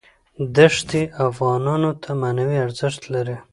دښتې افغانانو ته معنوي ارزښت لري.